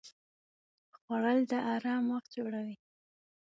خوړل د آرام وخت جوړوي